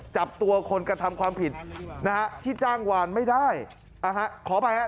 จับตัวคนกระทำความผิดนะฮะที่จ้างวานไม่ได้นะฮะขออภัยฮะ